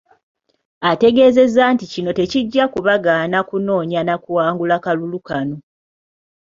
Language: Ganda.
Ategeezezza nti kino tekijja kubagaana kunoonya na kuwangula kalulu kano.